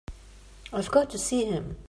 I've got to see him.